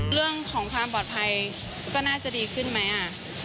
เรื่องของความปลอดภัยก็น่าจะดีขึ้นไหม